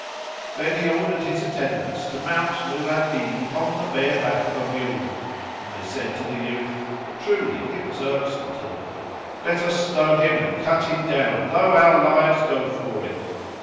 '" Then he ordered his attendants to mount Nur al Din upon the bare back of a mule; and they said to the youth (for truly it was irksome to them), "Let us stone him and cut him down though our lives go for it."